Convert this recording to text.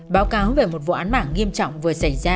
báo cáo về một vụ án mạng nghiêm trọng vừa xảy ra